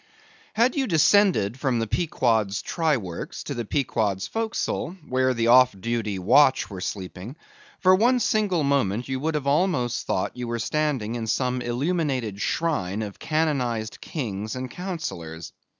Had you descended from the Pequod's try works to the Pequod's forecastle, where the off duty watch were sleeping, for one single moment you would have almost thought you were standing in some illuminated shrine of canonized kings and counsellors.